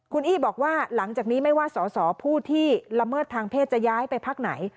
คุณอี้บอกว่าหลังจากนี้ไม่ว่าสอสอผู้ที่ละเมิดทางเพศจะย้ายไปพักไหน